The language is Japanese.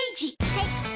はい。